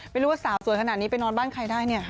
ไม่รู้ว่าสาวสวยขนาดนี้ไปนอนบ้านใครได้เนี่ย